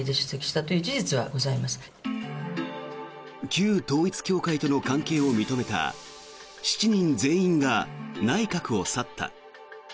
旧統一教会との関係を認めた７人全員が内閣を去った。